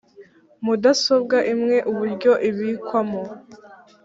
mudasobwa imwe uburyo ibikwamo.